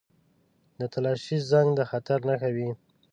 • د تالاشۍ زنګ د خطر نښه وي.